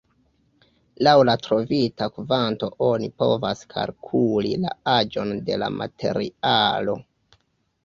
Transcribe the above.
Laŭ la trovita kvanto oni povas kalkuli la aĝon de la materialo.